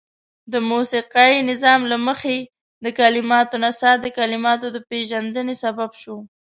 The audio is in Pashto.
د موسيقايي نظام له مخې د کليماتو نڅاه د کليماتو د پيژندني سبب شوه.